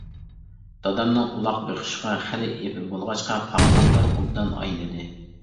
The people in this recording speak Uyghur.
دادامنىڭ ئۇلاق بېقىشقا خىلى ئېپى بولغاچقا پاقلانلار ئوبدان ئاينىدى.